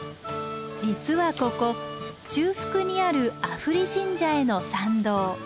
実はここ中腹にある阿夫利神社への参道。